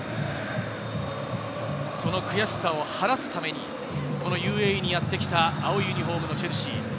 その悔しさを晴らすためにＵＡＥにやってきた青いユニホームのチェルシー。